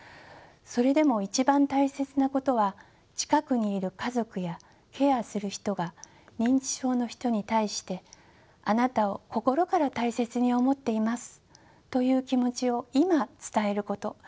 それでも一番大切なことは近くにいる家族やケアする人が認知症の人に対して「あなたを心から大切に思っています」という気持ちを今伝えること。